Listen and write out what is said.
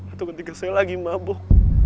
atau ketika saya lagi mabuk